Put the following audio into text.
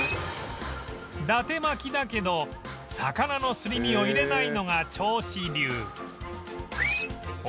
伊達巻だけど魚のすり身を入れないのが銚子流